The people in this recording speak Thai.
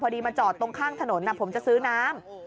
มาจอดตรงข้างถนนผมจะซื้อน้ำ